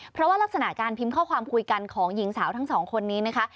เพราะว่ารักษณะการพิมพ์ข้อความคุยกันของหญิงสาวทั้งสองคนนี้นะคะ